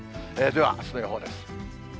では、あすの予報です。